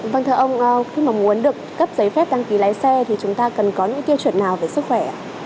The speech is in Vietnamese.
vâng thưa ông khi mà muốn được cấp giấy phép đăng ký lái xe thì chúng ta cần có những tiêu chuẩn nào về sức khỏe